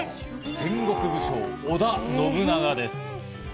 戦国武将「織田信長」です。